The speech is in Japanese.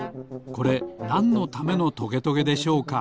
これなんのためのトゲトゲでしょうか？